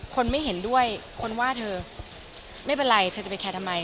คนไม่เห็นด้วยคนว่าเธอไม่เป็นไรเธอจะไปแคร์ทำไม